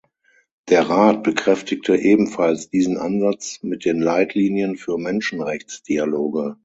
Der Rat bekräftigte ebenfalls diesen Ansatz mit den Leitlinien für Menschenrechtsdialoge.